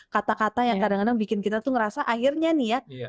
kata kata yang kadang kadang bikin kita tuh ngerasa akhirnya nih ya